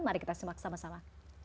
mari kita simak sama sama